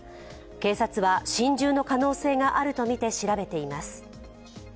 警察は心中の可能性があるとみて調べています。